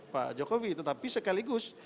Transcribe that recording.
pak jokowi tetapi sekaligus